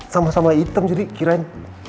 sama sama hitam jadi kiranya